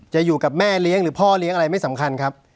อยู่กับแม่เลี้ยงหรือพ่อเลี้ยงอะไรไม่สำคัญครับ